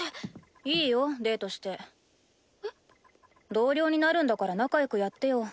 同僚になるんだから仲よくやってよ。